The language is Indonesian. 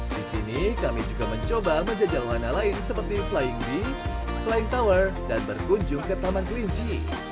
di sini kami juga mencoba menjajal warna lain seperti flying bee flying tower dan berkunjung ke taman kelinci